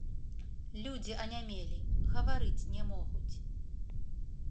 Людзі анямелі, гаварыць не могуць.